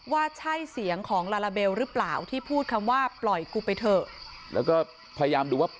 ว่าใช่เสียงของลาลาเบลหรือเปล่าที่พูดคำว่าปล่อยกูไปเถอะแล้วก็พยายามดูว่า